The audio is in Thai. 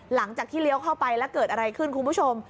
หลังจากที่เลี้ยวเข้าไปแล้วเกิดอะไรขึ้นคุณผู้ชม